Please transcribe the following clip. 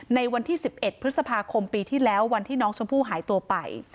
ในวันที่๑๑พฤษภาคมปีที่แล้ววันที่น้องชมพู่หายตัวไป